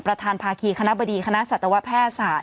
ประธานภาคีคณะบดีคณะสัตวแพทยศาสต